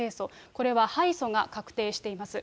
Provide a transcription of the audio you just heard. これは敗訴が確定しています。